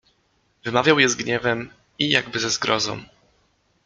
"Wymawiał je z gniewem i jakby ze zgrozą."